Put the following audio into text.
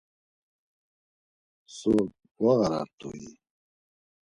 So, gvağarart̆ui?